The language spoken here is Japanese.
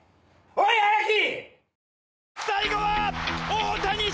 おい荒木！！